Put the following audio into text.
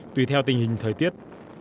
tùy theo tình hình thời tiết